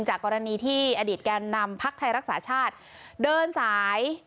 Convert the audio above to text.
กรณีที่อดีตแก่นำพักไทยรักษาชาติเดินสาย